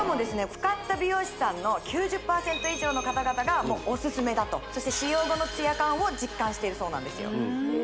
使った美容師さんの９０％以上の方々がオススメだとそして使用後のツヤ感を実感しているそうなんですよ